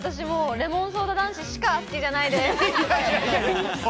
レモンソーダ男子しか好きじゃないです。